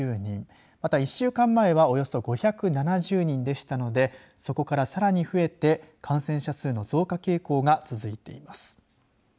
また１週間前はおよそ５７０人でしたのでそこからさらに増えて感染者数の増加傾向が続いています。